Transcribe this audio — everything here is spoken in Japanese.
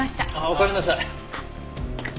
おかえりなさい。